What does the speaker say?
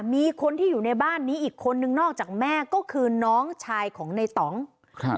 มีคนที่อยู่ในบ้านนี้อีกคนนึงนอกจากแม่ก็คือน้องชายของในต่องครับ